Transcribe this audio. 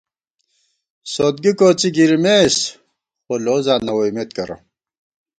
سوتگی کوڅی گِرِمېس، خو لوزاں نہ ووئیمېت کرہ